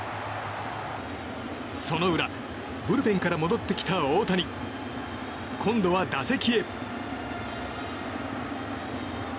その裏、ブルペンから戻ってきた大谷。今度は打席へ。